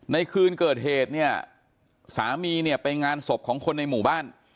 ในคืนเกิดเหตุเนี่ยสามีเนี่ยไปงานศพของคนในหมู่บ้าน